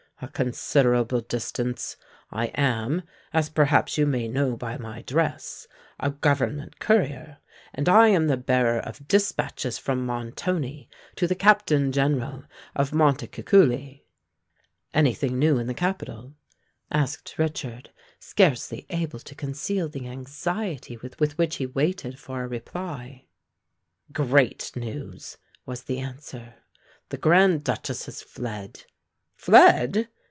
"A considerable distance. I am, as perhaps you may know by my dress, a government courier: and I am the bearer of dispatches from Montoni to the Captain General of Montecuculi." "Any thing new in the capital?" asked Richard, scarcely able to conceal the anxiety with which he waited for a reply. "Great news," was the answer. "The Grand Duchess has fled." "Fled!"